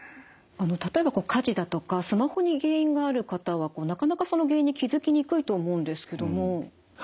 例えば家事だとかスマホに原因がある方はなかなかその原因に気付きにくいと思うんですけども。